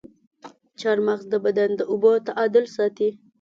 چارمغز د بدن د اوبو تعادل ساتي.